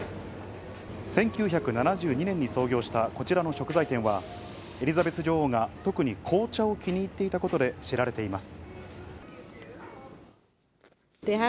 １９７２年に創業したこちらの食材店は、エリザベス女王は特に紅茶を気に入っていたことで知られています。